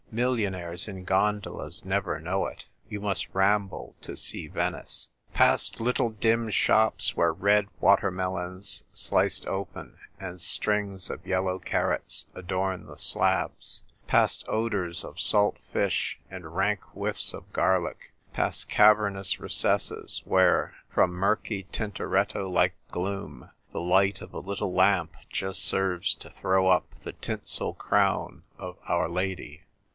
Millionaires in gondolas never know it. You must ramble to see Venice. " O, ROMEO, ROMEO !" 20$ Past little dim shops where red water melons, sliced open, and strings of yellow carrots adorn the slabs ; past odours of salt fish and rank whiffs of garlic ; past cavernous recesses where, from murky Tintoretto like gloom, the light of a little lamp just serves to throw up the tinsel crown of Our Lady.